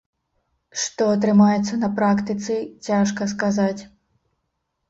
Што атрымаецца на практыцы, цяжка сказаць.